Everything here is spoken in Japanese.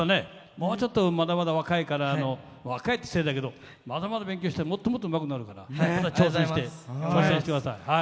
もうちょっと、まだまだ若いから若いっつったらあれだけどもっと練習したらもっともっと、うまくなるから挑戦してください。